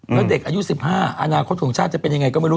แล้วเด็กอายุ๑๕อนาคตของชาติจะเป็นยังไงก็ไม่รู้